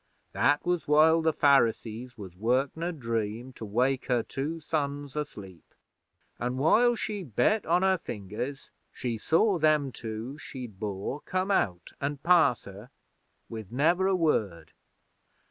That was while the Pharisees was workin' a Dream to wake her two sons asleep: an' while she bit on her fingers she saw them two she'd bore come out an' pass her with never a word.